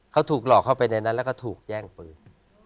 เขาถูกหลอกเข้าไปในนั้นแล้วก็ถูกแย่งปืน